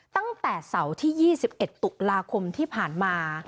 ตั้งแต่เสาร์ที่๒๑ตุลาคมที่ผ่านมา